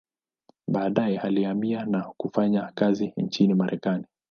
Baadaye alihamia na kufanya kazi nchini Marekani.